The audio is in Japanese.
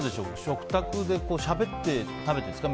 食卓でしゃべって食べていますか。